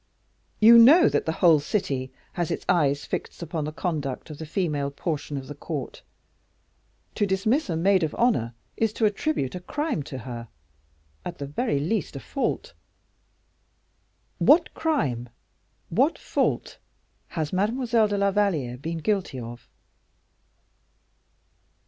You know that the whole city has its eyes fixed upon the conduct of the female portion of the court. To dismiss a maid of honor is to attribute a crime to her at the very least a fault. What crime, what fault has Mademoiselle de la Valliere been guilty of?"